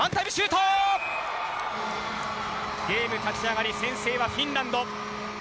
ゲーム立ち上がり先制はフィンランド。